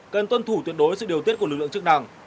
cần tuân thủ tuyệt đối sự điều tiết của lực lượng chức năng